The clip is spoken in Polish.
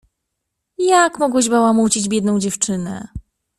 "Jak mogłeś bałamucić biedną dziewczynę?...."